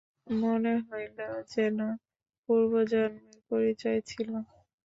মনে হইল যেন পূর্বজন্মের পরিচয় ছিল।